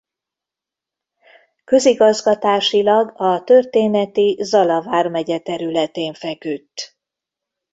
Közigazgatásilag a történeti Zala vármegye területén feküdt.